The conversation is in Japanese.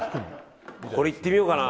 これいってみようかな。